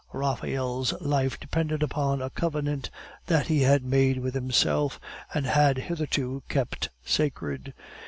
Raphael's life depended upon a covenant that he had made with himself, and had hitherto kept sacred.